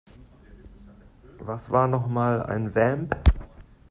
Was war nochmal ein Vamp?